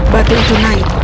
batu itu naik